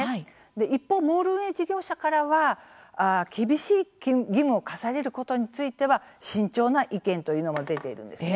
一方、モール運営事業者からは厳しい義務を課されることについては慎重な意見というのも出ているんです。